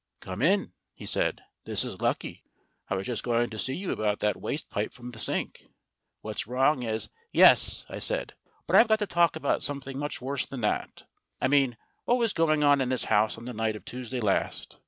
"Come in," he said. "This is lucky. I was just going to see you about that waste pipe from the sink. What's wrong is " "Yes," I said ; "but I've got to talk about some thing much worse than that. I mean, what was going on in this house on the night of Tuesday last?